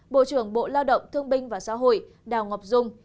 bộ trưởng bộ lao động thương binh và xã hội đào ngọc dung